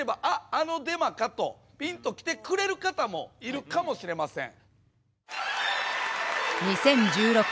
あのデマかとピンと来てくれる方もいるかもしれません。